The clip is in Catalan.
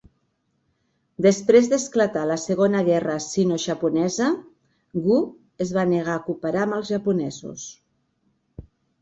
Després d'esclatar la segona Guerra sinojaponesa, Wu es va negar a cooperar amb els japonesos.